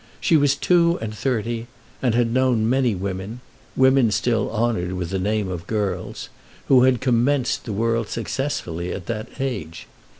She was two and thirty, and had known many women, women still honoured with the name of girls, who had commenced the world successfully at that age.